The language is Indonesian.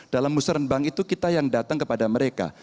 dalam museren bank itu kita yang datang kepada mereka